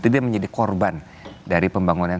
dia menjadi korban dari pembangunan